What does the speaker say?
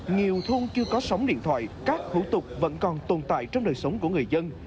nhiều thôn chưa có sóng điện thoại các thủ tục vẫn còn tồn tại trong đời sống của người dân